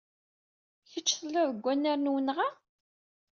Kecc tellid deg wenrar n wenɣa?